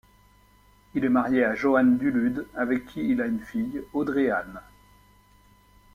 Il est marié à Johanne Dulude avec qui il a une fille, Audrée-Anne.